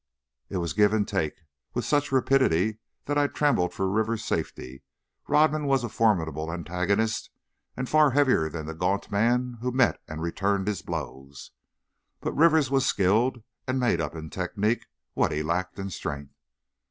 It was give and take, with such rapidity that I trembled for Rivers' safety. Rodman was a formidable antagonist, and far heavier than the gaunt man who met and returned his blows. But Rivers was skilled, and made up in technique what he lacked in strength.